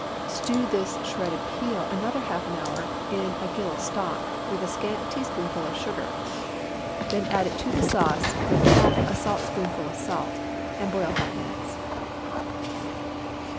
Stew this shredded peel another half hour in a gill of stock, with a scant teaspoonful of sugar; then add it to the sauce, with half a saltspoonful of salt, and boil five minutes.